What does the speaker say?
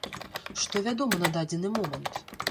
Што вядома на дадзены момант?